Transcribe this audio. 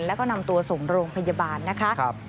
แล้วก็นำตัวส่งโรงพยาบาลนะคะ